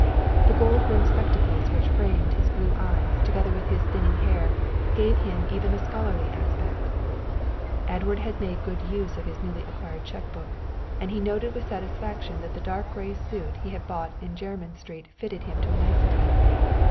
The gold rimmed spectacles which framed his mild blue eyes together with his thinning hair gave him even a scholarly aspect. Edward had made good use of his newly acquired cheque book, and he noted with satisfaction that the dark grey suit he had bought in Jermyn Street fitted him to a nicety.